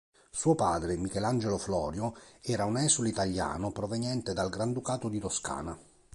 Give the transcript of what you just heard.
Suo padre, Michelangelo Florio, era un esule italiano proveniente dal Granducato di Toscana.